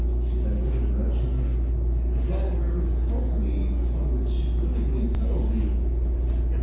Then said the merchant, "If thou couldst help me I would willingly tell thee."